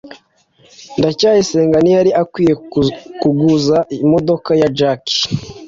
ndacyayisenga ntiyari akwiye kuguza imodoka ya jaki